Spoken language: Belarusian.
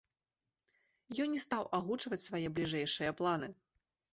Ён не стаў агучваць свае бліжэйшыя планы.